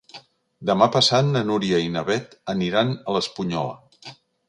Demà passat na Núria i na Beth aniran a l'Espunyola.